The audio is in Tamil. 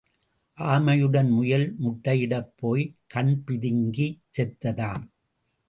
ஆமையுடனே முயல் முட்டையிடப் போய் கண் பிதுங்கிச் செத்ததாம்.